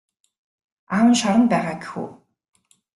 Аав нь шоронд байгаа гэх үү?